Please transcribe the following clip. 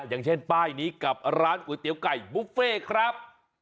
อย่างเช่นป้ายนี้กับร้านก๋วยเตี๋ยวไก่บุฟเฟ่ครับ